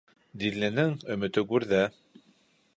Динленең өмөтө гүрҙә